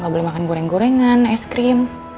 nggak boleh makan goreng gorengan es krim